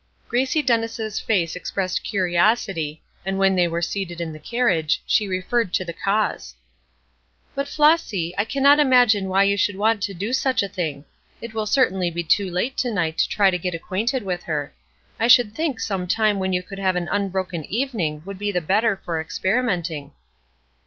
Gracie Dennis' face expressed curiosity, and when they were seated in the carriage, she referred to the cause: "But Flossy, I cannot imagine why you should want to do such a thing. It will certainly be too late to night to try to get acquainted with her. I should think some time when you could have an unbroken evening would be the better for experimenting."